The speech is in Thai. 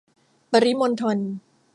ปริมณฑล